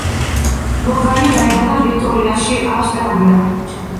ლოგანი დაიბადა ვიქტორიაში, ავსტრალია.